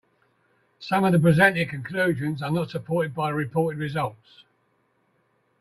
Some of the presented conclusions are not supported by the reported results.